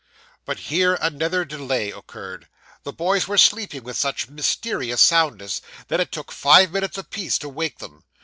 But here another delay occurred. The boys were sleeping with such mysterious soundness, that it took five minutes a piece to wake them.